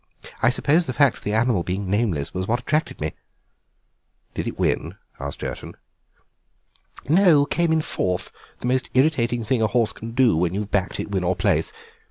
I suppose the fact of the animal being nameless was what attracted me." "Did it win?" asked Jerton. "No, came in fourth, the most irritating thing a horse can do when you've backed it win or place.